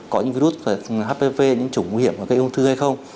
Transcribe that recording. có virus hpv những chủng nguy hiểm